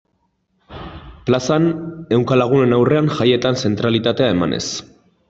Plazan, ehunka lagunen aurrean, jaietan zentralitatea emanez.